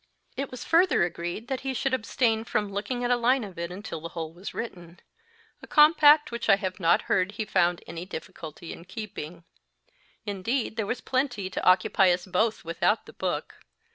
It was further agreed that he should abstain from looking at a line of it until the whole was written a compact which I have not heard he found any difficulty in keeping. Indeed, there was plenty to occupy us both without the book.